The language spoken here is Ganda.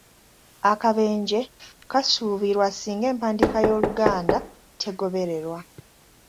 Akabenje kasuubirwa singa empandiika y’Oluganda tegobererwa!